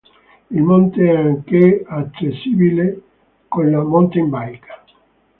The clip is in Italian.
Il monte è anche accessibile con la mountain bike.